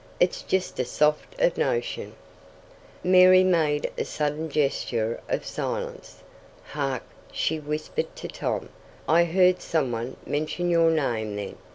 "It's just a sort of notion " Mary made a sudden gesture of silence. "Hark!" she whispered to Tom, "I heard someone mention your name then.